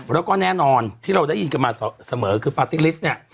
แล้วก็แน่นอนที่เราได้ยินกันมาเสมอคือปาร์ตี้ลิสต์เนี่ย